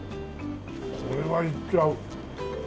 これはいっちゃう。